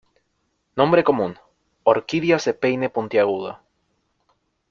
Nombre común: orquídeas de peine puntiagudo.